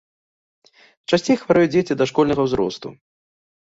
Часцей хварэюць дзеці дашкольнага ўзросту.